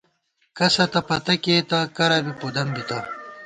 کسہ تہ پتہ کېئېتہ ، کرہ بی پُدَم بِتہ